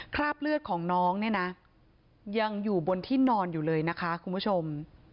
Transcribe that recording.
คราบเลือดของน้องเนี่ยนะยังอยู่บนที่นอนอยู่เลยนะคะคุณผู้ชม